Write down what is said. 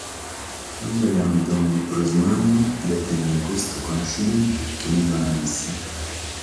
Non ddoe at donu prus mannu de tènnere custu connoschimentu chi mi donat issa.